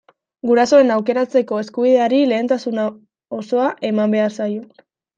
Gurasoen aukeratzeko eskubideari lehentasuna osoa eman behar zaio.